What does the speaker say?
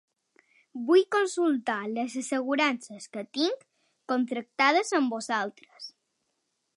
Vull consultar les assegurances que tinc contractades amb vosaltres.